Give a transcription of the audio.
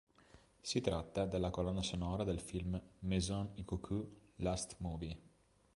Si tratta della colonna sonora del film "Maison Ikkoku Last Movie".